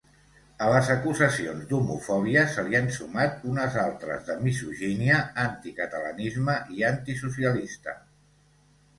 A les acusacions d'homofòbia se li han sumat unes altres de misogínia, anticatalanisme i antisocialista.